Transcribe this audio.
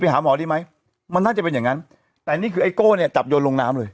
หาหมอดีไหมมันน่าจะเป็นอย่างนั้นแต่นี่คือไอโก้เนี่ยจับโยนลงน้ำเลย